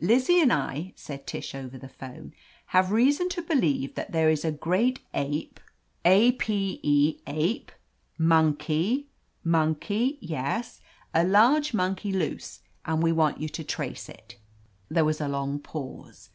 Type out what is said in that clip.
Lizzie and I," said Tish over the 'phone, have reason to believe that there is a great ape — a p e — ^ape! Monkey, monkey — ^yes. A large monkey loose, and we want you to trace it." There was a long pause.